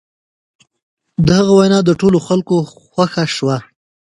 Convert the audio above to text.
د هغه وینا د ټولو خلکو خوښه شوه.